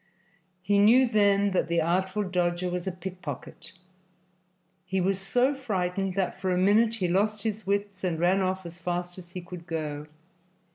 He knew then that the Artful Dodger was a pickpocket. He was so frightened that for a minute he lost his wits and ran off as fast as he could go.